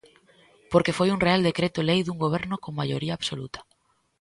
Porque foi un real decreto lei dun goberno con maioría absoluta.